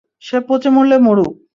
সে পচে মরলে মরুক!